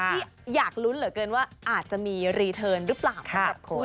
ที่อยากลุ้นเหรอเกินว่าอาจจะมีรีเทิร์นหรือเปล่า